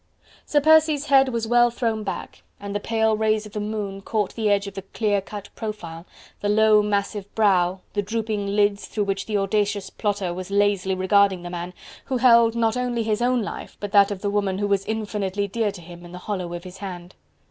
Sir Percy's head was well thrown back, and the pale rays of the moon caught the edge of the clear cut profile, the low massive brow, the drooping lids through which the audacious plotter was lazily regarding the man who held not only his own life, but that of the woman who was infinitely dear to him, in the hollow of his hand.